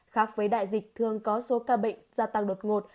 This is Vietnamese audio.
khác với đại dịch thường có số ca bệnh gia tăng đột ngột